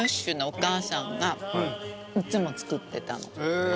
へえ。